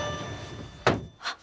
あっ。